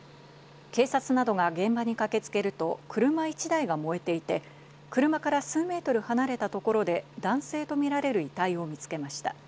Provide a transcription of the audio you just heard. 警察などが現場に駆けつけると車１台が燃えていて、車から数メートル離れたところで男性とみられる遺体を見つけました。